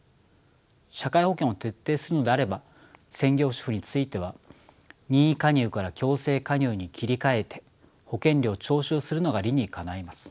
社会保険を徹底するのであれば専業主婦については任意加入から強制加入に切り換えて保険料を徴収するのが理にかないます。